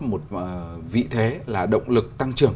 một vị thế là động lực tăng trưởng